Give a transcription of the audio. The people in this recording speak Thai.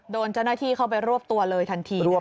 โดนเจ้าหน้าที่เข้าไปรวบตัวเลยทันที